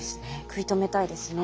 食い止めたいですね。